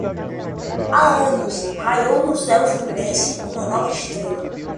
Há anos raiou no céu fluminense uma nova estrela.